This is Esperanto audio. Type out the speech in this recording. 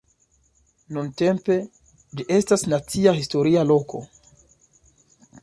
Nuntempe, ĝi estas nacia historia loko.